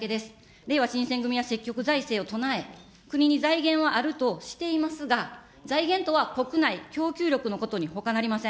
れいわ新選組は積極財政を唱え、国に財源はあるとしていますが、財源とは国内供給力のことにほかなりません。